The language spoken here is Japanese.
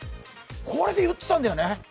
これで打ってたんだよね。